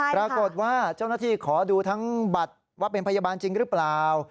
ปรากฏว่าเจ้าหน้าที่ขอดูทั้งบัตรว่าเป็นพยาบาลจริงหรือเปล่า